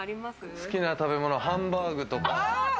好きな食べ物、ハンバーグとか。